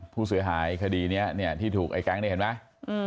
ผู้เสียหายคดีนี้เนี่ยที่ถูกไอ้แก๊งเนี่ยเห็นไหม